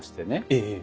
ええ。